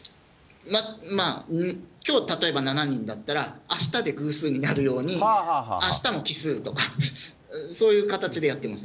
きょう例えば７人だったら、あしたで偶数になるように、あしたも奇数とか、そういう形でやってます。